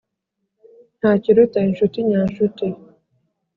nta kiruta inshuti nyanshuti